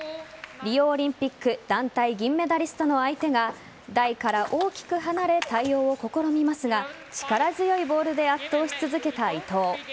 リオオリンピック団体銀メダリストの相手が台から大きく離れ対応を試みますが力強いボールで圧倒し続けた伊藤。